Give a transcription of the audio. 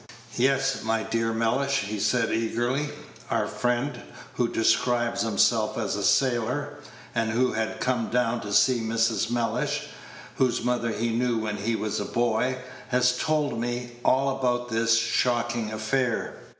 "Yes, my dear Mellish," he said, eagerly, "our friend, who describes himself as a sailor, and who had come down to see Mrs. Mellish, whose mother he knew when he was a boy, has told me all about this shocking affair.